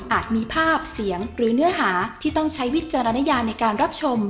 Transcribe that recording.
มีภาพเสียงหรือเนื้อหาที่ต้องใช้วิจารณญาในการรับชม